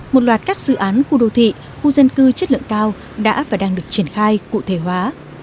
một loạt các dự án khu đô thị khu dân cư chất lượng cao đã và đang được triển khai cụ thể hóa